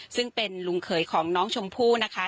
ซึ่งเป็นลุงเขยของน้องชมพู่นะคะ